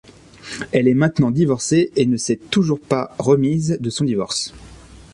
Elle est maintenant divorcée et ne s'est toujours pas remise de son divorce.